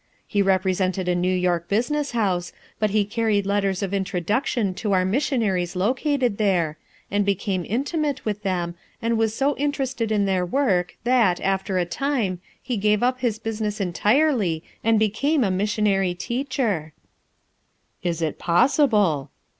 He represented a New York business house, but he carried letters of intro duction to our missionaries located there, and became intimate with them and so interested in their work that, after a time, he gave up his JUSTICE OP, MERCY? 23S) business entirely and became a missionary teacher," "Is it possible